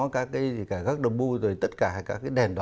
các đồng bưu rồi tất cả các cái đèn đó